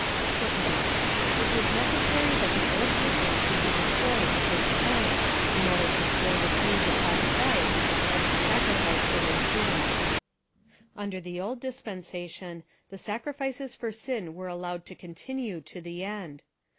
It was necessary that the old system should be destroyed at Ihis time, in order to throw the Jews upon Christ, as the sacrificfi Cor their sins. Under the old dispensation, the sacrifices tor sin were allowed to continue to the end.